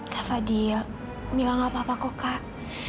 kak fadiyah mila enggak apa apa kok kak